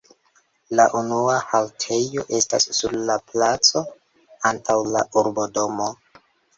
La unua haltejo estas sur la placo antaŭ la urbodomo.